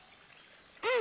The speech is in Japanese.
うん！